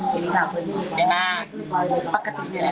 เป็นพี่สาวเจน่า